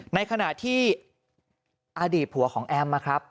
ในขณะที่อดีตผัวของแอมนะครับ